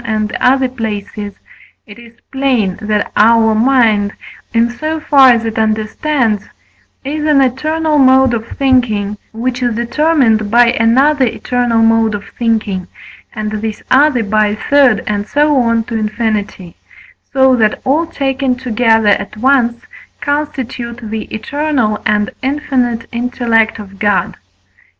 and other places, it is plain that our mind, in so far as it understands, is an eternal mode of thinking, which is determined by another eternal mode of thinking, and this other by a third, and so on to infinity; so that all taken together at once constitute the eternal and infinite intellect of God.